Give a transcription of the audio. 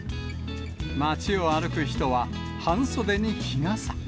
街を歩く人は、半袖に日傘。